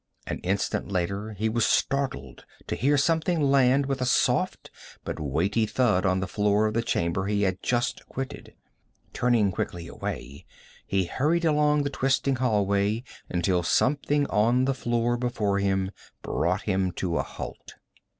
An instant later he was startled to hear something land with a soft but weighty thud on the floor of the chamber he had just quitted. Turning quickly away, he hurried along the twisting hallway until something on the floor before him brought him to a halt.